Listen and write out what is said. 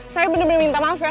saya bener bener minta maaf ya